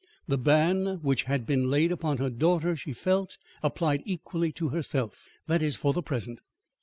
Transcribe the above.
The ban which had been laid upon her daughter she felt applied equally to herself; that is for the present.